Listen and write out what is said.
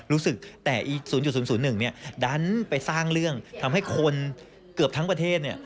รู้สึกแต่อีก๐๐๑เนี่ยดันไปสร้างเรื่องทำให้คนเกือบทั้งประเทศเนี่ย